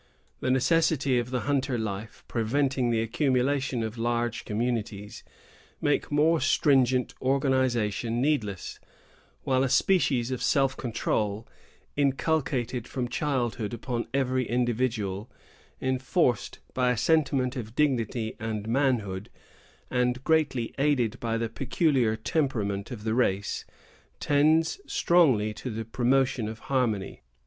The necessities of the hunter life, preventing the accumulation of large communities, make more stringent organization needless; while a species of self control, inculcated from childhood upon every individual, enforced by a sentiment of dignity and manhood, and greatly aided by the peculiar temperament of the race, tends strongly to the promotion of harmony.